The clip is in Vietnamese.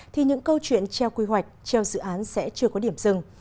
thì những câu chuyện treo quy hoạch treo dự án sẽ chưa có điểm dừng